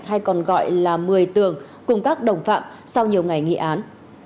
hay còn gọi là một mươi tường cùng các đồng phạm sau nhiều ngày nghị án